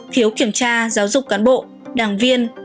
thiếu kiểm tra giáo dục cán bộ đảng viên